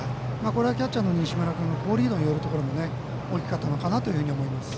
これはキャッチャーの西村君の好リードによるところも大きかったのかなと思います。